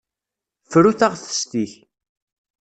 Fru taɣtest-ik.